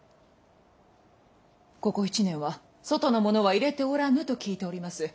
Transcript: ここ１年は外の者は入れておらぬと聞いております。